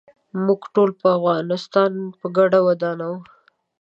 موږ ټول به افغانستان په ګډه ودانوو.